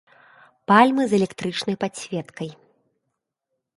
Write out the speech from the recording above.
Пальмы з электрычнай падсветкай.